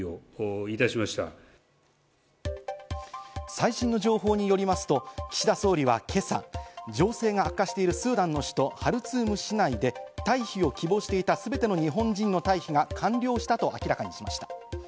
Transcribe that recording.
最新の情報によりますと、岸田総理は今朝、情勢が悪化しているスーダンの首都ハルツーム市内で退避を希望していたすべての日本人の退避が完了したと明らかにしました。